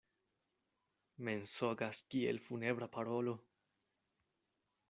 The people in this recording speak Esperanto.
Mensogas kiel funebra parolo.